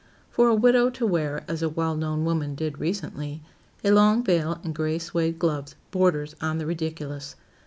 For a widow to wear, as a well known woman did recently, a long veil and gray suède gloves, borders on the ridiculous.